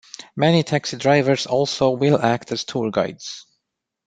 Many taxi drivers also will act as tour guides.